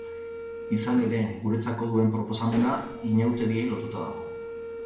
Izan ere guretzako duen proposamena, inauteriei lotuta dago.